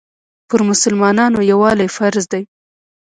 پر مسلمانانو یووالی فرض دی.